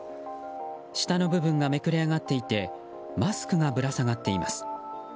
下の部分がめくれ上がっていてマスクがぶら下がっています。